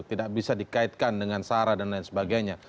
tidak bisa dikaitkan dengan sara dan lain sebagainya